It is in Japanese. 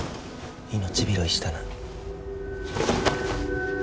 命拾いしたな。